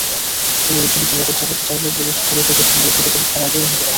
তবে বিশ্ববিদ্যালয় কর্তৃপক্ষ চাইলে পুলিশ ভেরিফিকেশন লিখিত পরীক্ষার আগেও হতে পারে।